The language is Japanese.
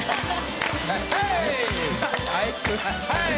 はい！